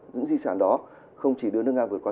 những di sản đó không chỉ đưa nước nga vượt qua